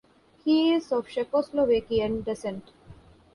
He is of Czechoslovakian descent.